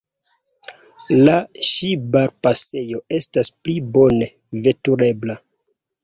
La Ŝibar-pasejo estas pli bone veturebla.